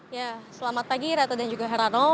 ya selamat pagi ratu dan juga herano